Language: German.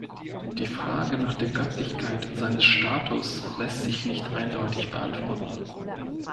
Die Frage nach der Göttlichkeit seines Status lässt sich nicht eindeutig beantworten.